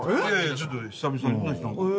ちょっと久々に。